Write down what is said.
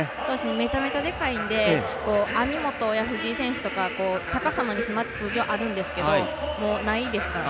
めちゃめちゃでかいんで網本や藤井は高さのミスマッチはあるんですけどないですからね。